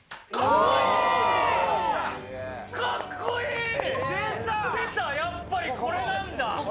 かっこいい！出た、やっぱりこれなんだ。